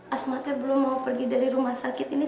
asmatnya belum mau pergi dari rumah sakit ini